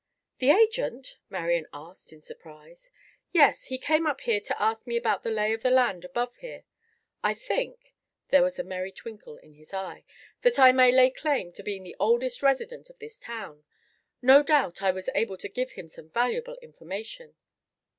"The Agent?" Marian asked in surprise. "Yes. He came up here to ask me about the lay of the land above here. I think," there was a merry twinkle in his eye, "that I may lay claim to being the oldest resident of this town. No doubt I was able to give him some valuable information."